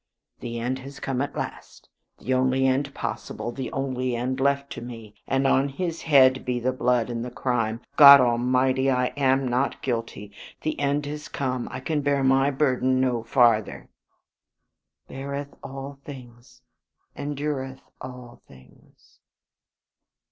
The end has come at last, the only end possible, the only end left me. On his head be the blood and the crime! God almighty, I am not guilty! The end has come; I can bear my burden no farther. "Beareth all things, endureth all things."